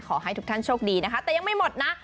ขอให้ทุกท่านโชคดีนะคะแต่ยังไม่หมดนะ